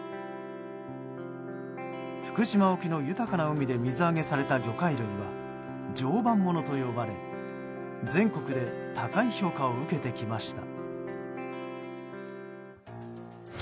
福島沖の豊かな海で水揚げされた魚介類は常磐ものと呼ばれ、全国で高い評価を受けてきました。